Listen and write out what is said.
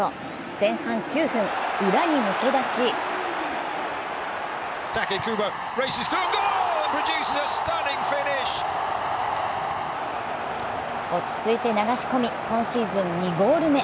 前半９分、裏に抜け出し落ち着いて流し込み、今シーズン２ゴール目。